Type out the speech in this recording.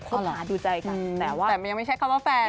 คบหาดูใจกันแต่ว่าแต่มันยังไม่ใช่คำว่าแฟน